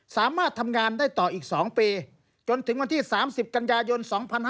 สามารถทำงานได้ต่ออีก๒ปีจนถึงวันที่๓๐กันยายน๒๕๕๙